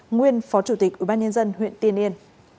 nguyên phó chủ tịch ubnd huyện tiên yên